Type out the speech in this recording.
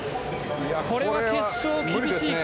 これは決勝は厳しいか。